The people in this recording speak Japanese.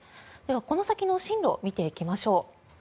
この先の進路を見ていきましょう。